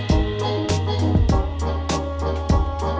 ทุกที่ว่าใช่ไหม